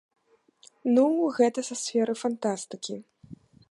Ну, гэта са сферы фантастыкі.